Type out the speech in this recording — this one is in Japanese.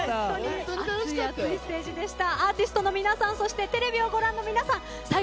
熱い熱いステージでした。